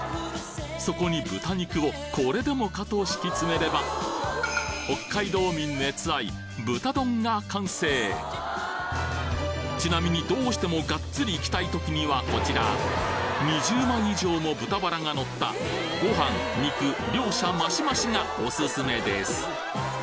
そこに豚肉をこれでもかと敷き詰めれば北海道民熱愛豚丼が完成ちなみにどうしてもガッツリいきたい時にはこちら２０枚以上も豚バラがのったご飯肉両者マシマシがおすすめです